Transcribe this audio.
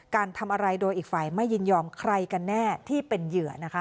การทำอะไรโดยอีกฝ่ายไม่ยินยอมใครกันแน่ที่เป็นเหยื่อนะคะ